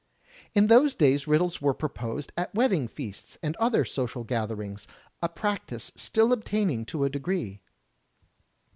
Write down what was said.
In those days riddles were proposed at wedding feasts and other social gatherings, a practice still obtaining to a degree.